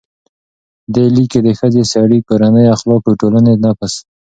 دې لیک کې د ښځې، سړي، کورنۍ، اخلاقو، ټولنې، نفس،